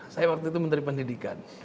saya waktu itu menteri pendidikan